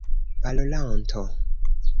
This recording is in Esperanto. parolanto